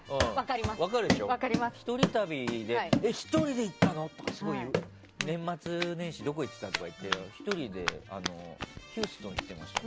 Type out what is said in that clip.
１人旅でえっ、１人で行ったの？とか年末年始どこ行ってた？とか聞かれて１人でヒューストン行ってました。